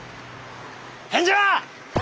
返事は？